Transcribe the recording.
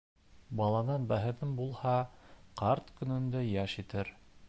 Баланан бәхетең булһа, ҡарт көнөндә йәш итер